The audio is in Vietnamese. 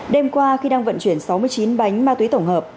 đêm qua khi đang vận chuyển sáu mươi chín bánh ma túy tổng hợp